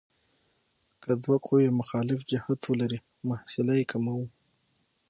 که دوه قوې مخالف جهت ولري محصله یې کموو.